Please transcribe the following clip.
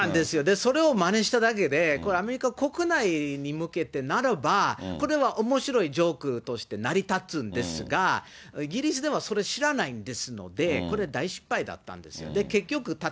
それをまねしただけで、これ、アメリカ国内に向けてならば、これはおもしろいジョークとして成り立つんですが、イギリスではそれ知らないんですので、これ、大失敗だったんですよ。